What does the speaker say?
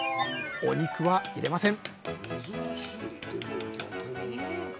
お肉は入れません！